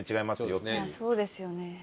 いやそうですよね。